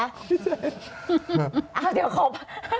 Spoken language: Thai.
อ้าวเดี๋ยวครบ